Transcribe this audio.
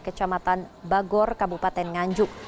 kecamatan bagor kabupaten nganjuk